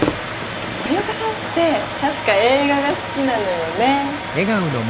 森若さんって確か映画が好きなのよね？